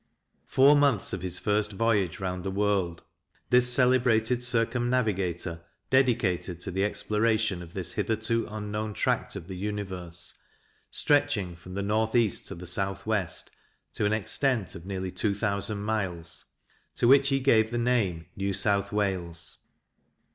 Four months of his first voyage round the world, this celebrated circumnavigator dedicated to the exploration of this hitherto unknown tract of the universe, stretching, from the north east to the south west, to an extent of nearly two thousand miles, to which he gave the name of New South Wales.